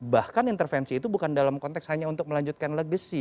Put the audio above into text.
bahkan intervensi itu bukan dalam konteks hanya untuk melanjutkan legacy